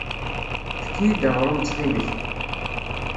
Efk-iyi-d aɣrum ttxil-k.